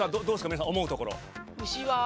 皆さん思うところ。